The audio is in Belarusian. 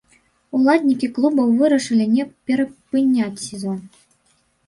Уладальнікі клубаў вырашылі не перапыняць сезон.